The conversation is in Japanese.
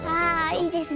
ああいいですね。